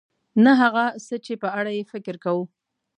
نه هغه څه چې په اړه یې فکر کوو .